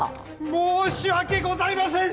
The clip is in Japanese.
申し訳ございません！